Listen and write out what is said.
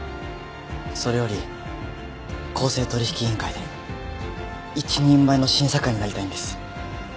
それより公正取引委員会で一人前の審査官になりたいんです。